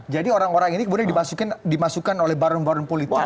jadi orang orang ini kemudian dimasukkan oleh baron baron politik